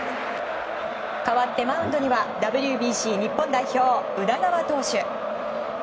代わってマウンドにはＷＢＣ日本代表、宇田川投手。